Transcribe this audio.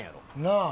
なあ。